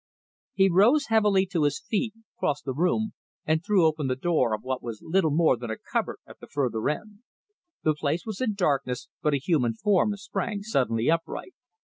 He rose heavily to his feet, crossed the room, and threw open the door of what was little more than a cupboard at the further end. The place was in darkness, but a human form sprang suddenly upright.